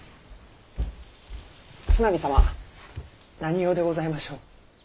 角南様何用でございましょう。